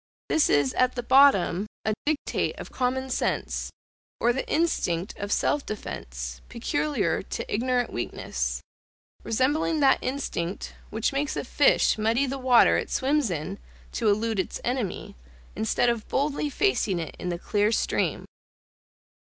This is at the bottom, a dictate of common sense, or the instinct of self defence, peculiar to ignorant weakness; resembling that instinct, which makes a fish muddy the water it swims in to elude its enemy, instead of boldly facing it in the clear stream.